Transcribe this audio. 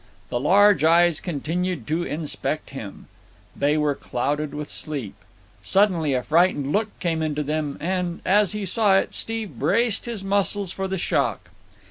The large eyes continued to inspect him. They were clouded with sleep. Suddenly a frightened look came into them, and, as he saw it, Steve braced his muscles for the shock.